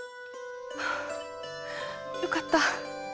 はあよかった！